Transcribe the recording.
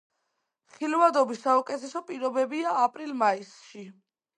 ხილვადობის საუკეთესო პირობებია აპრილ-მაისში.